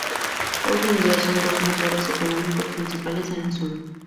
Hoy en día son dos los motores económicos principales en la zona.